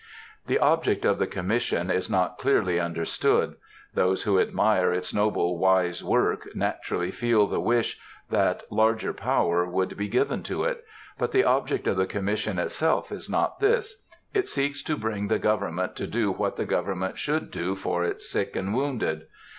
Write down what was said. The object of the Commission is not clearly understood. Those who admire its noble, wise work naturally feel the wish that larger power should be given to it. But the object of the Commission itself is not this. It seeks to bring the government to do what the government should do for its sick and wounded.